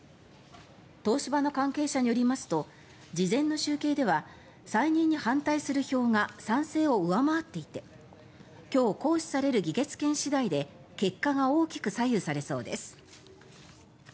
東芝の関係者によりますと事前の集計では再任に反対する票が賛成を上回っていて今日行使される議決権次第で結果が大きく左右されそうです。